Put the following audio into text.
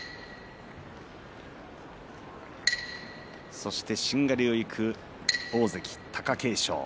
そして、しんがりを行く大関貴景勝。